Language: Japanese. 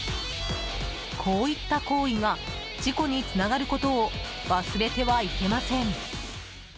こういった行為が事故につながることを忘れてはいけません。